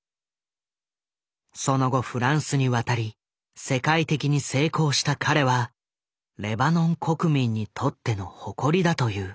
その後フランスに渡り世界的に成功した彼はレバノン国民にとっての誇りだという。